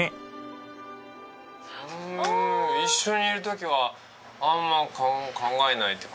うん一緒にいる時はあんま考えないっていうか。